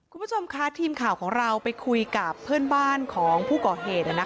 คุณผู้ชมค่ะทีมข่าวของเราไปคุยกับเพื่อนบ้านของผู้ก่อเหตุ